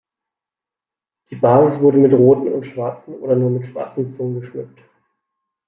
Die Basis wurde mit roten und schwarzen oder nur mit schwarzen Zungen geschmückt.